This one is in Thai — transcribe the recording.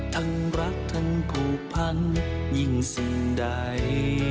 ทั้งรักทั้งผูกพันยิ่งสิ่งใด